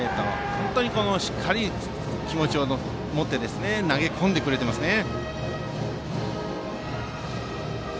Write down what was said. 本当にしっかり気持ちを持って投げ込んでくれていますね。